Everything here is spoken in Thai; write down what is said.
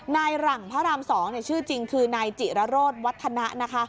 หลังพระราม๒ชื่อจริงคือนายจิระโรธวัฒนะนะคะ